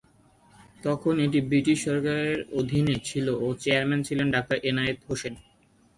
তখন এটি ব্রিটিশ সরকারের অধীনে ছিল ও চেয়ারম্যান ছিলেন ডাক্তার এনায়েত হোসেন।